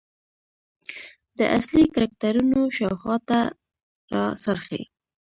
د اصلي کرکترونو شاخواته راڅرخي .